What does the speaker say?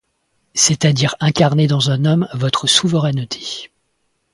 C'est-à-dire incarner dans un homme votre souveraineté.